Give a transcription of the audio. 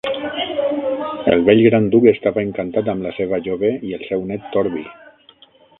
El vell gran duc estava encantat amb la seva jove i el seu net Torby.